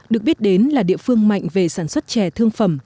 được biết đến là địa phương mạnh về sản xuất chè thương phẩm